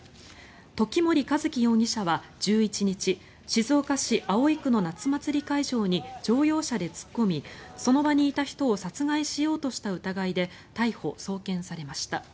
時森一輝容疑者は１１日静岡市葵区の夏休み会場に乗用車で突っ込みその場にいた人を殺害しようとした疑いで逮捕・送検されました。